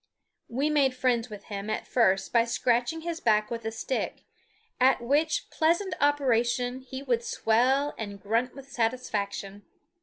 We made friends with him at first by scratching his back with a stick, at which pleasant operation he would swell and grunt with satisfaction.